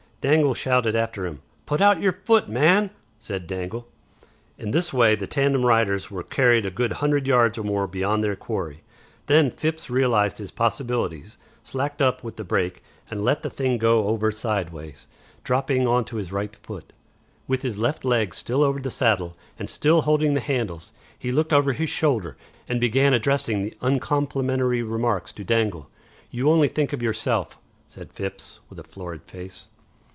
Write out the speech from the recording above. Dangle shouted after him. "Put out your foot, man," said Dangle. In this way the tandem riders were carried a good hundred yards or more beyond their quarry. Then Phipps realized his possibilities, slacked up with the brake, and let the thing go over sideways, dropping on to his right foot. With his left leg still over the saddle, and still holding the handles, he looked over his shoulder and began addressing uncomplimentary remarks to Dangle. "You only think of yourself," said Phipps, with a florid face.